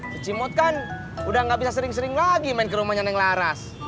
pecimut kan udah gak bisa sering sering lagi main ke rumahnya neng laras